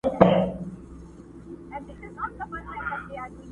بس پښتونه چي لښکر سوې نو د بل سوې.